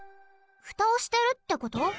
フタをしてるってこと？